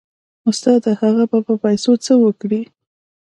استاده هغه به په پيسو څه وكي.